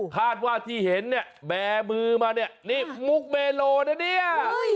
คาดว่าที่เห็นเนี่ยแบมือมาเนี่ยนี่มุกเมโลนะเนี่ย